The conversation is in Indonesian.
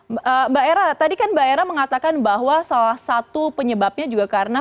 mbak era tadi kan mbak era mengatakan bahwa salah satu penyebabnya juga karena